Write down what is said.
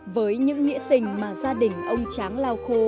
với những nghĩa tình mà gia đình ông tráng lao khô